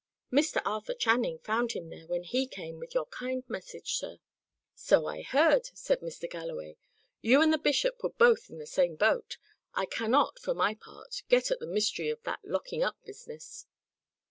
Mr. Arthur Channing found him there when he came with your kind message, sir." "So I heard," said Mr. Galloway. "You and the bishop were both in the same boat. I cannot, for my part, get at the mystery of that locking up business."